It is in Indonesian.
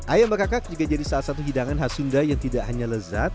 ayam bekakak juga jadi salah satu hidangan khas sunda yang tidak hanya lezat